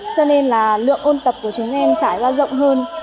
cho nên là lượng ôn tập của chúng em trải ra rộng hơn